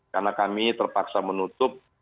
karena kami terpaksa menutup